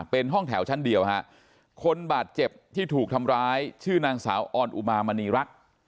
เป็นห้องแถวชั้นเดียวฮะคนบาดเจ็บที่ถูกทำร้ายชื่อนางสาวออนอุมามณีรัก